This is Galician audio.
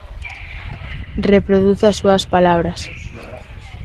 Reproduzo as súas palabras.